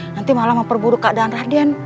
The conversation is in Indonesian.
nanti malah memperburuk keadaan rahdian